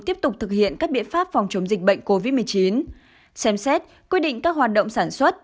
tiếp tục thực hiện các biện pháp phòng chống dịch bệnh covid một mươi chín xem xét quy định các hoạt động sản xuất